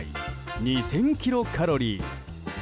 ２０００キロカロリー。